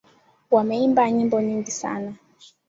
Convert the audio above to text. Wameimba nyimbo nyingi sana